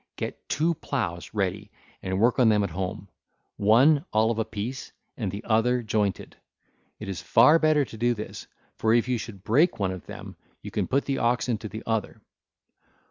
Get two ploughs ready work on them at home, one all of a piece, and the other jointed. It is far better to do this, for if you should break one of them, you can put the oxen to the other.